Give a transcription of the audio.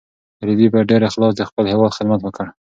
رېدي په ډېر اخلاص د خپل هېواد خدمت وکړ.